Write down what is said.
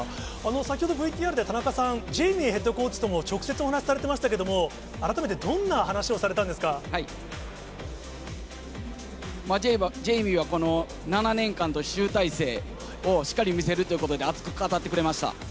先ほど、ＶＴＲで田中さん、ジェイミーヘッドコーチとも直接お話されてましたけれども、ジェイミーはこの７年間の集大成をしっかり見せるということで、熱く語ってくれました。